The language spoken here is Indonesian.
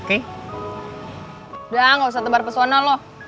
udah gak usah tebar pesona loh